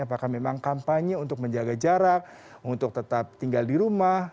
apakah memang kampanye untuk menjaga jarak untuk tetap tinggal di rumah